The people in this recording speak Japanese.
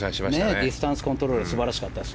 ディスタンスのコントロールが素晴らしかったです。